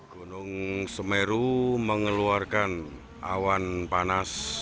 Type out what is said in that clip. gunung semeru mengeluarkan awan panas